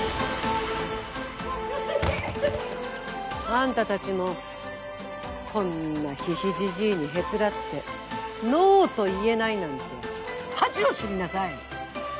あんたたちもこんなヒヒジジイにへつらってノーと言えないなんて恥を知りなさい！